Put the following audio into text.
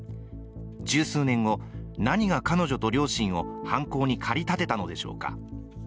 十数年後、何が彼女と両親を犯行に駆り立てたのでしょうか。